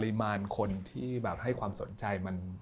ปริมาณคนที่แบบให้ความสนใจ